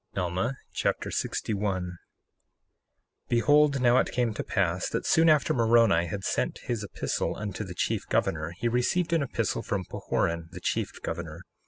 Alma Chapter 61 61:1 Behold, now it came to pass that soon after Moroni had sent his epistle unto the chief governor, he received an epistle from Pahoran, the chief governor.